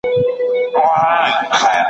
ده په خپلو وېښتانو کې په پام سره لاس تېر کړ.